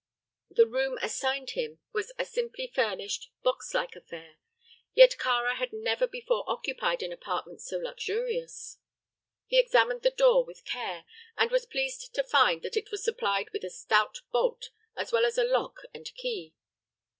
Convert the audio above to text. The room assigned him was a simply furnished, box like affair; yet Kāra had never before occupied an apartment so luxurious. He examined the door with care and was pleased to find that it was supplied with a stout bolt as well as a lock and key.